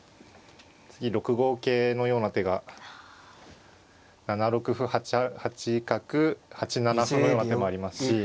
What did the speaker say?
次６五桂のような手が７六歩８八角８七歩のような手もありますし。